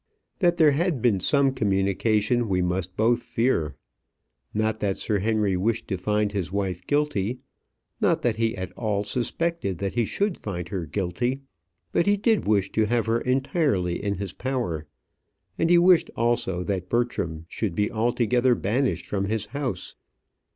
That there had been some communication we must both fear. Not that Sir Henry wished to find his wife guilty; not that he at all suspected that he should find her guilty. But he did wish to have her entirely in his power; and he wished also that Bertram should be altogether banished from his house.